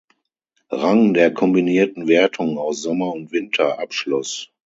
Rang der kombinierten Wertung aus Sommer und Winter abschloss.